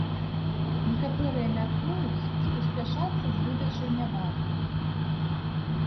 Некаторыя мяркуюць, што спяшацца з выдачай не варта.